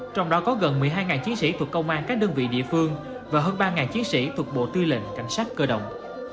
trong đó có gần một mươi hai chiến sĩ thuộc công an các đơn vị địa phương và hơn ba chiến sĩ thuộc bộ tư lệnh cảnh sát cơ động